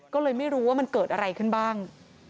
ก็เลยไม่รู้ว่ามันเกิดอะไรขึ้นบ้าง